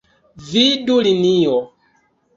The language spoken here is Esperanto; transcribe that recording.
Vidu linio.